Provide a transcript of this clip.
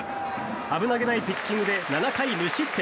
危なげないピッチングで７回無失点。